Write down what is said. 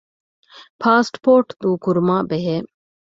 ޕާސްޕޯޓް ދޫކުރުމާބެހޭ